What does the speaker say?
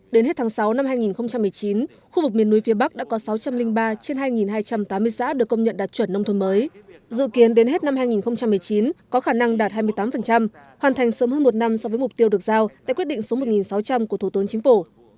đến hết tháng sáu năm hai nghìn một mươi chín khu vực miền núi phía bắc đã có sáu trăm linh ba trên hai hai trăm tám mươi xã được công nhận đạt chuẩn nông thôn mới dự kiến đến hết năm hai nghìn một mươi chín có khả năng đạt hai mươi tám hoàn thành sớm hơn một năm so với mục tiêu được giao tại quyết định số một sáu trăm linh của thủ tướng chính phủ